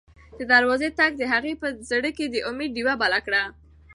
د دروازې ټک د هغې په زړه کې د امید ډېوه بله کړه.